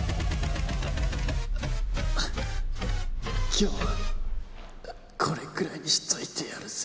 今日はこれくらいにしといてやるぜ。